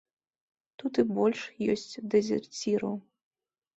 Тут і больш ёсць дэзерціраў.